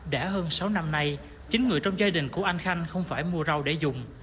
đã hơn sáu năm nay chín người trong gia đình của anh khanh không phải mua rau để dùng